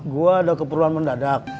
gue ada keperluan mendadak